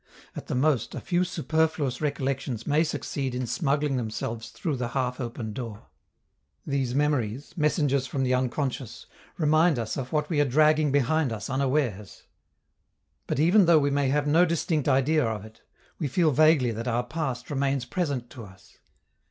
At the most, a few superfluous recollections may succeed in smuggling themselves through the half open door. These memories, messengers from the unconscious, remind us of what we are dragging behind us unawares. But, even though we may have no distinct idea of it, we feel vaguely that our past remains present to us.